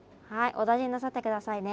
お大事になさって下さいね。